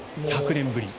１００年ぶり。